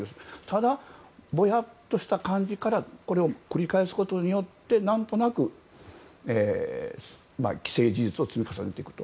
ただ、ぼやっとした感じからこれを繰り返すことによって何となく既成事実を積み重ねていくと。